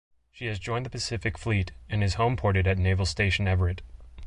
She has joined the Pacific Fleet and is homeported at Naval Station Everett.